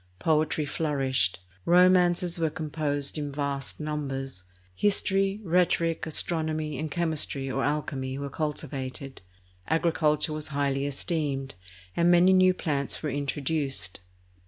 Poetry flourished; romances were composed in vast numbers; history, rheto ric, astronomy, and chemistry or alchemy were cultivated; agriculture was highly esteemed, and many new plants were introduced.